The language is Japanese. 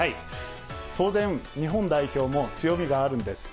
当然、日本代表も強みがあるんです。